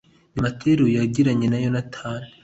demetiriyo yagiranye na yonatani